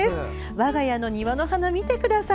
我が家の庭の花見てください。